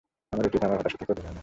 আমার উচিত, আমার হতাশা বের করে আনা।